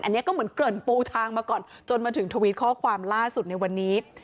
อันนี้ก็เหมือนเกริ่นปูทางมาก่อนจนมาถึงทวิตข้อความล่าสุดในวันนี้